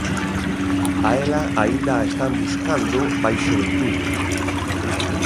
A ela, aínda a están buscando baixo o entullo.